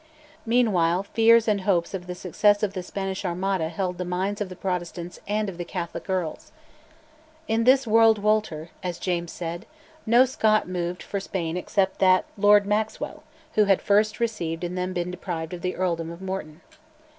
Meanwhile, fears and hopes of the success of the Spanish Armada held the minds of the Protestants and of the Catholic earls. "In this world wolter," as James said, no Scot moved for Spain except that Lord Maxwell who had first received and then been deprived of the Earldom of Morton.